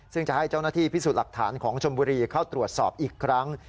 ซึ่งจะให้เจ้าหน้าที่พิสูจน์หลักฐานของชมบุรีเข้าตรวจสอบอีกครั้ง